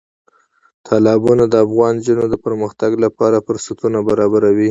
تالابونه د افغان نجونو د پرمختګ لپاره فرصتونه برابروي.